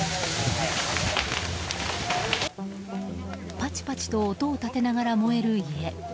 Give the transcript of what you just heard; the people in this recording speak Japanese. パチパチと音を立てながら燃える家。